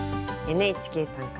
「ＮＨＫ短歌」。